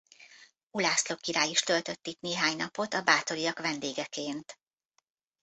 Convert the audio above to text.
Ulászló király is töltött itt néhány napot a Báthoryak vendégeként.